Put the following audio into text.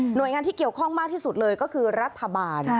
โดยงานที่เกี่ยวข้องมากที่สุดเลยก็คือรัฐบาล